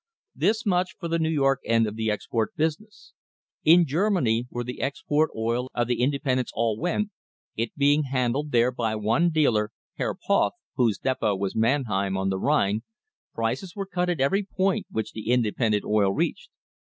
This much for the New York end of the export business. In Germany, where the export oil of the independents all went, it being handled there by one dealer, Herr Poth, whose depot was Mannheim, on the Rhine, prices were cut at every point which the independent oil reached.